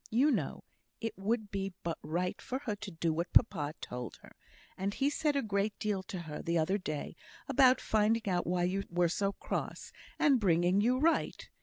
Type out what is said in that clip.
You know, it would be but right for her to do what papa told her; and he said a great deal to her, the other day, about finding out why you were so cross, and bringing you right.